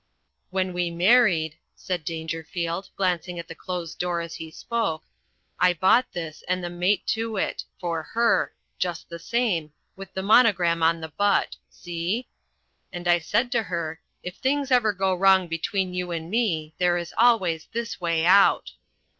"When we married," said Dangerfield, glancing at the closed door as he spoke, "I bought this and the mate to it for her just the same, with the monogram on the butt see! And I said to her, 'If things ever go wrong between you and me, there is always this way out.'"